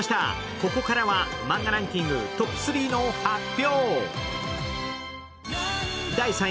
ここからはマンガランキングトップ３の発表。